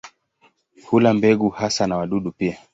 Hula mbegu hasa na wadudu pia.